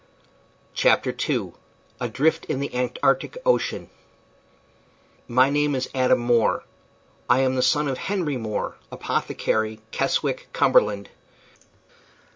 CHAPTER II ADRIFT IN THE ANTARCTIC OCEAN My name is Adam More. I am the son of Henry More, apothecary, Keswick, Cumberland.